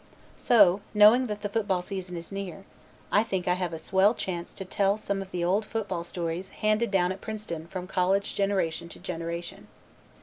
So, knowing that the football season is near I think I have a "swell chance" to tell some of the old football stories handed down at Princeton from college generation to generation.